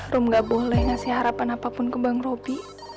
rom gak boleh ngasih harapan apapun ke bang robi